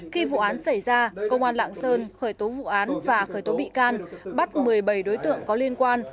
khi vụ án xảy ra công an lạng sơn khởi tố vụ án và khởi tố bị can bắt một mươi bảy đối tượng có liên quan